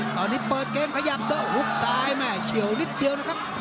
ตอนนี้เปิดเกมขยับเด้อฮุกซ้ายแม่เฉียวนิดเดียวนะครับ